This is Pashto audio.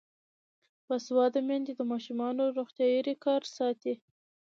باسواده میندې د ماشومانو روغتیايي ریکارډ ساتي.